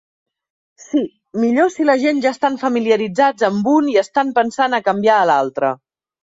Si, millor si la gent ja estan familiaritzats amb un i estan pensant a canviar a l'altre.